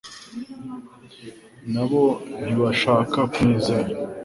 na bo ntibashaka kumwizera.